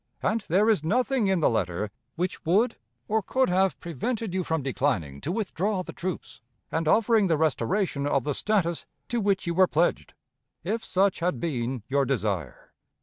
And there is nothing in the letter which would or could have prevented you from declining to withdraw the troops, and offering the restoration of the status to which you were pledged, if such had been your desire.